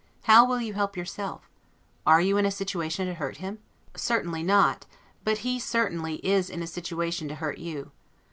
How will you help yourself? Are you in a situation to hurt him? Certainly not; but he certainly is in a situation to hurt you.